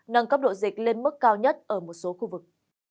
nâng cấp độ dịch lên mức cao nhất ở một số khu vực